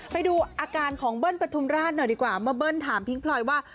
ไปดูอาการของเบิ้ลปฐุมราชหน่อยดีกว่าเมื่อเบิ้ลถามพิ้งพลอยว่า